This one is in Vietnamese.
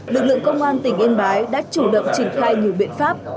lực lượng công an tình yên bái đã chủ động trình khai nhiều biện pháp